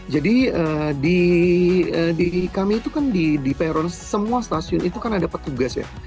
jadi di kami itu kan di peron semua stasiun itu kan ada petugas ya